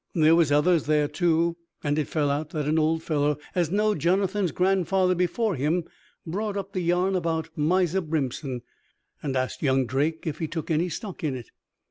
There was others there, too; and it fell out that an old fellow as knowed Jonathan's grandfather before him, brought up the yarn about Miser Brimpson, and asked young Drake if he took any stock in it.